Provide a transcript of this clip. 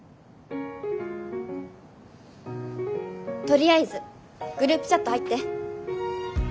とりあえずグループチャット入って。は？